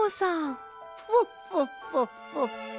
フォッフォッフォッフォッフォッ。